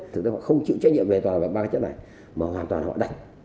thực ra họ không chịu trách nhiệm về toàn bằng ba cái chất này mà hoàn toàn họ đặt